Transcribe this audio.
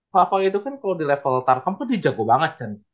favoi itu kan kalo di level tarkam kan dia jago banget kan